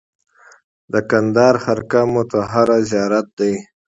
د کندهار خرقه مطهره زیارت دی